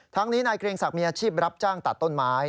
ทั้งนี้นายเกรงศักดิ์มีอาชีพรับจ้างตัดต้นไม้